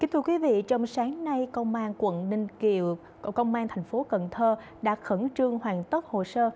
trong sáng nay công an quận ninh kiều công an thành phố cần thơ đã khẩn trương hoàn tất hồ sơ